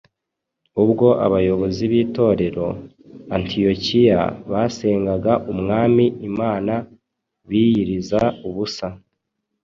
Ubwo abayobozi b’Itorero i Antiyokiya ” basengaga Umwami Imana biyiriza ubusa